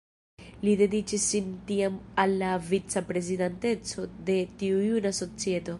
Li dediĉis sin tiam al la vica-prezidanteco de tiu juna societo.